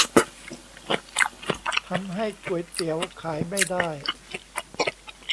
ทำให้ก๋วยเตี๋ยวขายไม่ได้ !